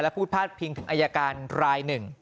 แล้วพูดพลาดพินค์ถึงไอ้การราย๑